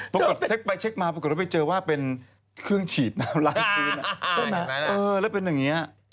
ปรากฏเช็คไปเช็คมาปรากฏแล้วไปเจอว่าเป็นเครื่องฉีดน้ำร้านซื้นน่ะ